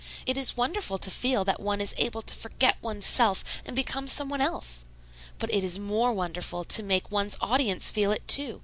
"It is wonderful to feel that one is able to forget one's self and become some one else. But it is more wonderful to make one's audience feel it, too.